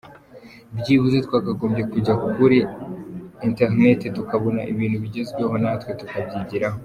Byibuze twakagombye kujya kure internet tukabona ibintu bigezweho natwe tukabyigiraho».